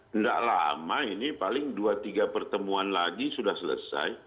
tidak lama ini paling dua tiga pertemuan lagi sudah selesai